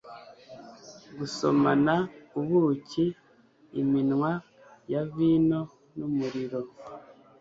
gusomana ubuki, iminwa ya vino n'umuriro